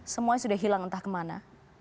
semuanya sudah hilang entah kemana